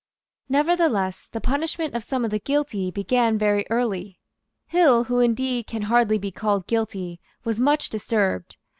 Nevertheless the punishment of some of the guilty began very early. Hill, who indeed can hardly be called guilty, was much disturbed.